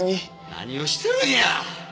何をしてるんや！